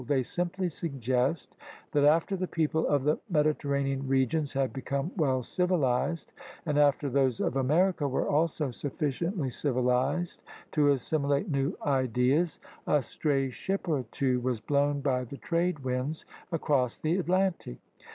They simply suggest that after the people of the Mediterranean regions had become well civilized and after those of America wxre also sufficiently civilized to assimilate new ideas, a stray ship or two was blown by the trade winds across the Atlantic.